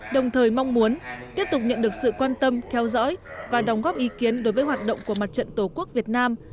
đồng thời mong muốn tiếp tục nhận được sự quan tâm kheo rõi và đồng góp ý kiến đối với hoạt động của mặt trận tổ quốc việt nam